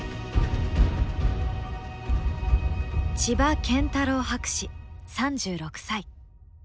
千葉謙太郎博士３６歳。